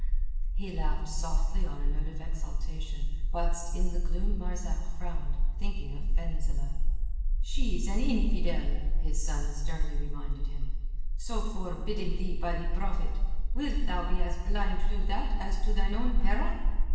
He laughed softly on a note of exaltation, whilst in the gloom Marzak frowned, thinking of Fenzileh. "She is an infidel," his son sternly reminded him, "so forbidden thee by the Prophet. Wilt thou be as blind to that as to thine own peril?"